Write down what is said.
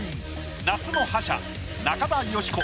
夏の覇者中田喜子